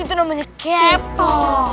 itu namanya kepo